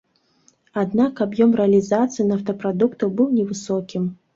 Аднак аб'ём рэалізацыі нафтапрадуктаў быў невысокім.